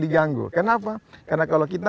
diganggu kenapa karena kalau kita